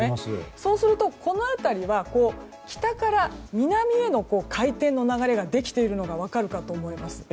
そうするとこの辺りは北から南への回転の流れができているのが分かるかと思います。